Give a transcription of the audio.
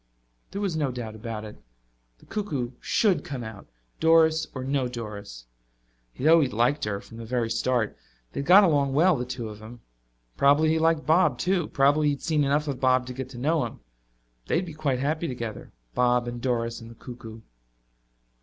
There was no doubt about it the cuckoo should come out, Doris or no Doris. He had always liked her, from the very start. They had got along well, the two of them. Probably he liked Bob too probably he had seen enough of Bob to get to know him. They would be quite happy together, Bob and Doris and the cuckoo.